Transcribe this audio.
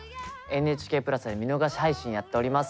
ＮＨＫプラスで見逃し配信やっております。